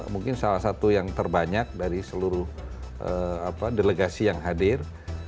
mungkin salah satu yang terbanyak dari seluruh delegasi yang hadir